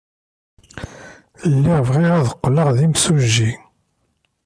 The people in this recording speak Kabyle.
Lliɣ bɣiɣ ad qqleɣ d imsujji.